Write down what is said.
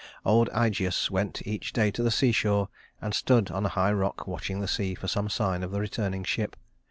Old Ægeus went each day to the seashore, and stood on a high rock, watching the sea for some sign of the returning ship.